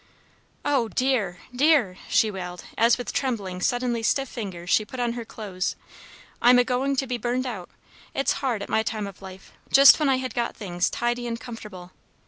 "Oh, dear, dear!" she wailed, as with trembling, suddenly stiff fingers she put on her clothes. "I'm a going to be burned out! It's hard, at my time of life, just when I had got things tidy and comfortable.